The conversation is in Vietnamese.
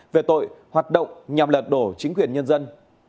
về tội hoạt động nhằm lật đổ chính quyền nhân dân